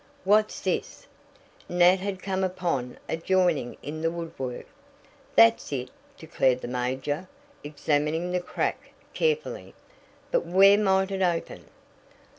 "What's this?" Nat had come upon a joining in the woodwork. "That's it!" declared the major, examining the crack carefully. "But where might it open?"